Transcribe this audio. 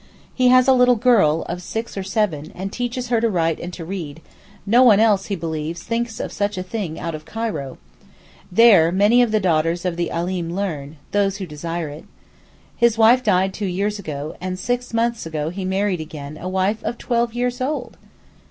He has a little girl of six or seven, and teaches her to write and read; no one else, he believes, thinks of such a thing out of Cairo; there many of the daughters of the Alim learn—those who desire it. His wife died two years ago, and six months ago he married again a wife of twelve years old!